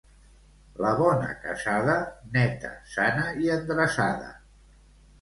La bona casada, neta, sana i endreçada.